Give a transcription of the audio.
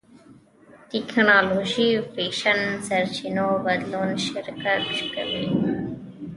ټېکنالوژي فېشن سرچينو بدلون شرکت غرق کوي.